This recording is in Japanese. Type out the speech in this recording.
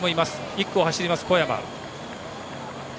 １区を走ります小山。